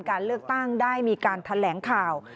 การเลือกตั้งได้มีการแถลงข่าว